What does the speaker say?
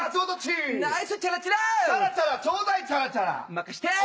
任せて。